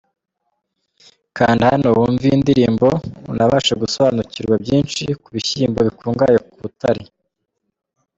Kanda hano wumve iyi ndirimbo unabashe gusabanukirwa byinshi ku bishyimbo bikungahaye ku butare .